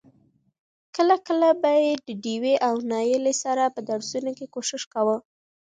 کله کله به يې د ډېوې او نايلې سره په درسونو کې کوشش کاوه.